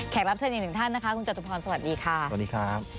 แขกรับเส้นหนึ่งท่านนะคะคุณเจ้าจบภัณฑ์สวัสดีค่ะสวัสดีครับ